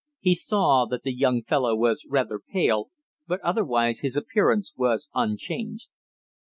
He saw that the young fellow was rather pale, but otherwise his appearance was unchanged.